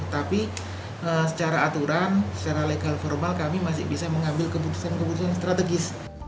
tapi secara aturan secara legal formal kami masih bisa mengambil keputusan keputusan strategis